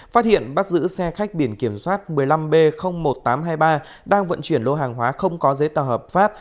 phát hiện bắt giữ xe khách biển kiểm soát một mươi năm b một nghìn tám trăm hai mươi ba đang vận chuyển lô hàng hóa không có giấy tờ hợp pháp